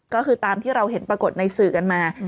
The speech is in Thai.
ก็คือตามที่เราเห็นปรากฏในสื่อกันมา